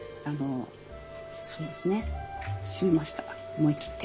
思い切って。